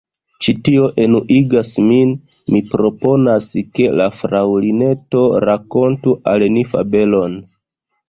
"Ĉi tio enuigas min! Mi proponas ke la Fraŭlineto rakontu al ni fabelon."